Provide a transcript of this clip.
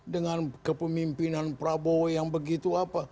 dengan kepemimpinan prabowo yang begitu apa